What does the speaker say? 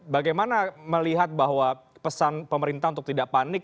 bagaimana melihat bahwa pesan pemerintah untuk tidak panik